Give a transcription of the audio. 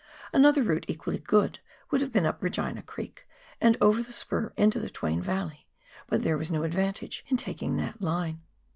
Another route, equally good, would have been up Regina Creek, and over the spur into the Twain Yalley, but there was no advantage in taking that line.